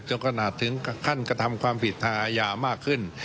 ขนาดถึงขั้นกระทำความผิดทางอาญามากขึ้น